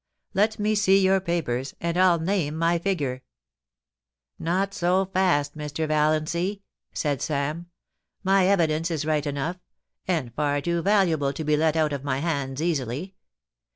Let me see your papers, and I'll name my figure.' ' Not so fast, Mr. Valiancy,' said Sam. * My evidence is right enough, and far too valuable to be let out of my hands easily.